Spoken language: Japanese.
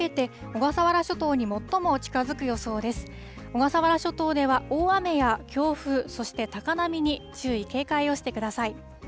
小笠原諸島では大雨や強風、そして高波に注意、警戒をしてください。